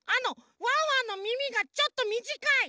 ワンワンのみみがちょっとみじかい。